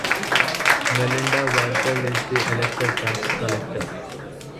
Melinda Warfel is the elected Tax Collector.